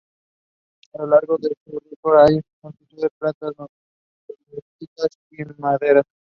A lo largo de su recorrido hay multitud de plantas metalúrgicas y madereras.